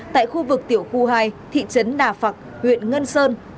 tại khu vực tiểu khu hai thị trấn đà phạc huyện ngân sơn